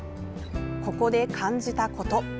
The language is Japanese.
ここで感じたこと。